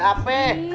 ada apa nih